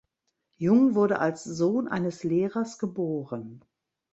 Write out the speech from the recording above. Jung wurde als Sohn eines Lehrers geboren.